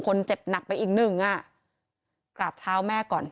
เจ็บหนักไปอีกหนึ่งอ่ะกราบเท้าแม่ก่อน